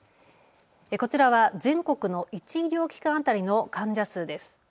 こちらは全国の１医療機関当たりの患者数です。